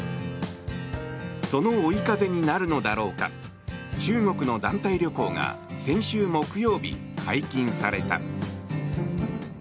その追い風になるのだろうか中国の団体旅行が先週木曜日、解禁された。